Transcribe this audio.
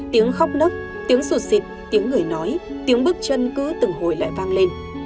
tiếng khóc nức tiếng sụt xịt tiếng người nói tiếng bước chân cứ từng hồi lại vang lên